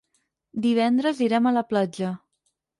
Divendres irem a la platja.